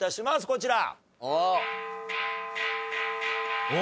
こちら。